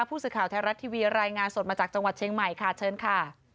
ผู้สื่อข่าวไทยรัฐทีวีรายงานสดมาจากจังหวัดเชียงใหม่ค่ะเชิญค่ะ